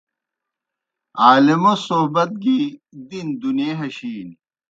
عالمو صحبت گی دِین دُنیے ہشِینیْ